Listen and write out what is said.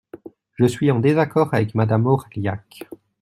Je suis en désaccord avec Madame Orliac.